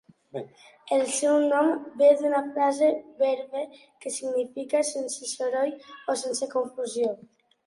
El seu nom ve d'una frase berber que significa 'sense soroll' o 'sense confusió'.